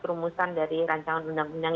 rumusan dari rancangan undang undang